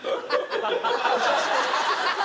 ハハハハ！